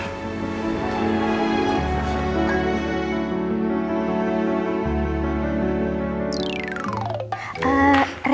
bersamanya sangat besar